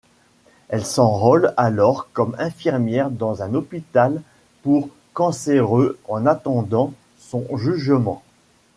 Elle s'enrôle alors comme infirmière dans un hôpital pour cancéreux en attendant son jugement.